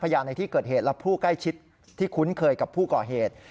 ในที่เกิดเหตุและผู้ใกล้ชิดที่คุ้นเคยกับผู้ก่อเหตุ